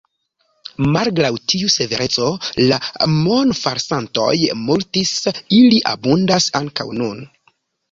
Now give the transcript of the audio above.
Malgraŭ tiu severeco la monfalsantoj multis; ili abundas ankaŭ nun.